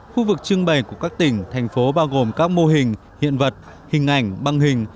khu vực trưng bày của các tỉnh thành phố bao gồm các mô hình hiện vật hình ảnh băng hình